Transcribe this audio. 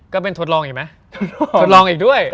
ก็เป็นทดลองอีกมั้ย